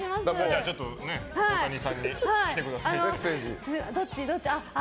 じゃあちょっと大谷さんに来てくださいって。